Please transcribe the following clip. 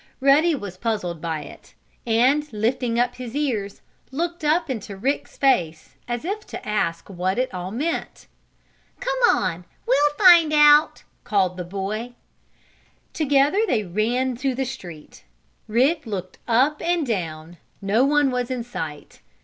Ruddy was puzzled by it and, lifting up his ears, looked up into Rick's face, as if to ask what it all meant. "Come on! We'll find it out!" called the boy. Together they ran to the street. Rick looked up and down. No one was in sight.